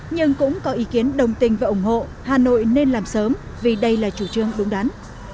nhưng cũng có ý kiến đồng tình và ủng hộ hà nội nên làm sớm vì đây là chủ trương đúng đắn